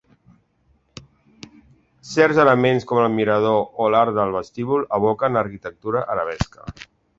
Certs elements, com el mirador o l'arc del vestíbul, evoquen l'arquitectura arabesca.